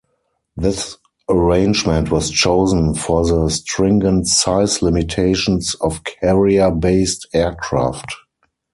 This arrangement was chosen for the stringent size limitations of carrier-based aircraft.